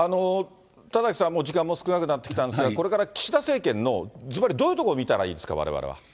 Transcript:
田崎さん、もう時間も少なくなってきたんですが、これから岸田政権のずばり、どういうところを見たらいいですか、われわれは。